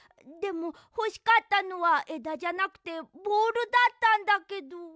でもほしかったのはえだじゃなくてボールだったんだけど。